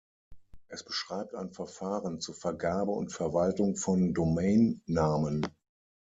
Es beschreibt ein Verfahren zur Vergabe und Verwaltung von Domain-Namen.